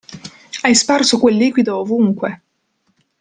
Hai sparso quel liquido ovunque!